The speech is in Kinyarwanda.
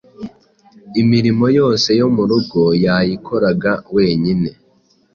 imirimo yose yo mu rugo yayikoraga wenyine